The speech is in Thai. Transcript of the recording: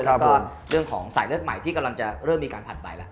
แล้วก็เรื่องของสายเลือดใหม่ที่กำลังจะเริ่มมีการผ่านไปแล้ว